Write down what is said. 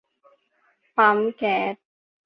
ปั๊มแก๊ส